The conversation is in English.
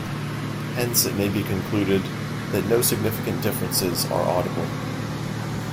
Hence it may be concluded that no significant differences are audible.